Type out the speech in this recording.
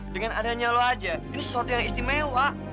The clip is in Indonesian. dengan adanya lu aja ini sesuatu yang istimewa